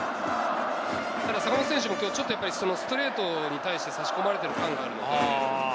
ただ坂本選手も今日ストレートに対して差し込まれている感があるので。